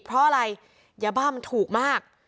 เพราะอะไรยาบ้ามันถูกมาก